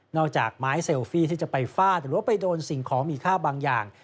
จากไม้เซลฟี่ที่จะไปฟาดหรือว่าไปโดนสิ่งของมีค่าบางอย่าง